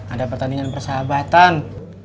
ada pertandingan persahabatan